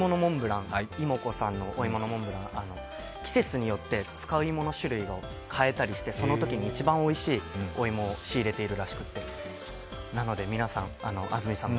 いもこさんのお芋のモンブラン、季節によって、使う芋の種類を変えたりしてそのときの一番おいしいお芋を仕入れているそうで安住さんも